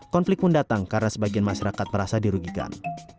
konflik pun datang karena sebagian masyarakat merasa dirugikan